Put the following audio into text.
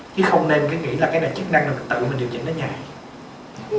chứ không nên nghĩ là cái này chức năng là tự mình điều chỉnh đến nhà